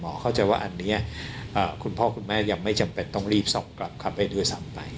เข้าใจว่าอันนี้คุณพ่อคุณแม่ยังไม่จำเป็นต้องรีบส่งกลับเข้าไปด้วยซ้ำไป